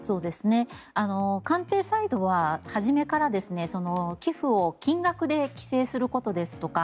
官邸サイドは初めから寄付を金額で規制することですとか